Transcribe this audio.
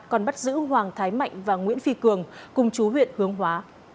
còn bắt giữ hoàng thái mạnh và nguyễn phi cường cùng chú huyện hướng hóa